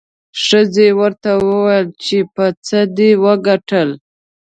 ښځې یې ورته وویل چې په څه دې وګټل؟